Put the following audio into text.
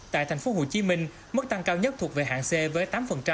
tại tp hcm mức tăng cao nhất thuộc về hạng c với tám